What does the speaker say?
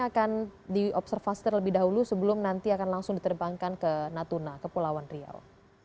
akan diobservasi terlebih dahulu sebelum nanti akan langsung diterbangkan ke natuna kepulauan riau